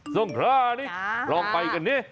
ซึ่งคราวนี้ลองไปกันเนี่ย